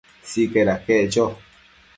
Sicaid aquec cho